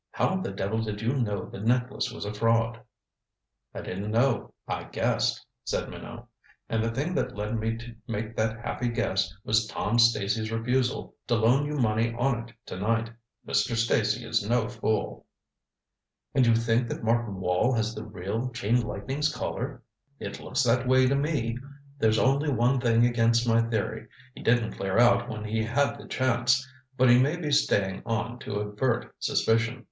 How the devil did you know the necklace was a fraud?" "I didn't know I guessed," said Minot. "And the thing that led me to make that happy guess was Tom Stacy's refusal to loan you money on it to night. Mr. Stacy is no fool." "And you think that Martin Wall has the real Chain Lightning's Collar?" "It looks that way to me. There's only one thing against my theory. He didn't clear out when he had the chance. But he may be staying on to avert suspicion.